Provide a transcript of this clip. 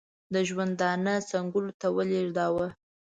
د ژوندانه څنګلو ته ولېږداوه.